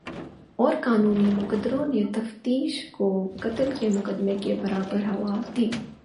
اور قانونی مقتدروں نے تفتیش کو قتل کے مقدمے کے برابر ہوا دی